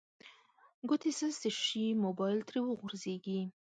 ګوتې سستې شي موبایل ترې وغورځیږي